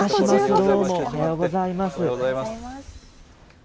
どうも、おはようございます。